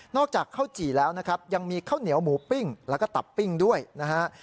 อกจากข้าวจี่แล้วนะครับยังมีข้าวเหนียวหมูปิ้งแล้วก็ตับปิ้งด้วยนะฮะ